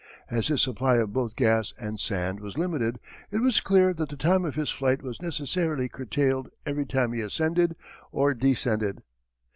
As his supply of both gas and sand was limited it was clear that the time of his flight was necessarily curtailed every time he ascended or descended.